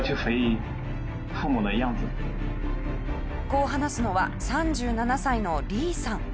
こう話すのは３７歳のリーさん。